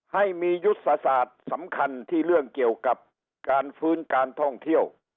ให้มียุทธศาสตร์สำคัญที่เรื่องเกี่ยวกับการฟื้นการท่องเที่ยว